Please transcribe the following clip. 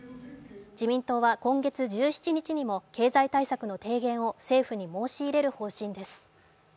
自民党は今月１７日にも経済対策の提言を政府に申し入れる方針です。